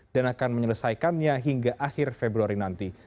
dan akan menyelesaikannya hingga akhir februari nanti